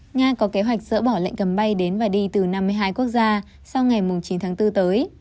nga có kế hoạch dỡ bỏ lệnh cấm bay đến và đi từ năm mươi hai quốc gia sau ngày chín tháng bốn tới